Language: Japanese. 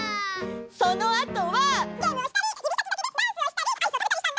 そのあとは。